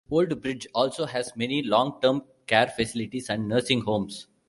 Old Bridge also has many long term care facilities and nursing homes.